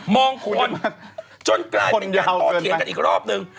คนจนกลายเป็นการโตเถียงกันอีกรอบนึง